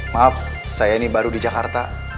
maaf saya ini baru di jakarta